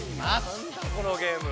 なんだこのゲーム。